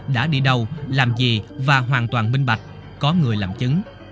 đã đi đâu làm gì và hoàn toàn minh bạch có người làm chứng